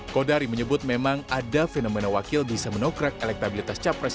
kodari menyebut memang ada fenomena wakil bisa menokrak elektabilitas capres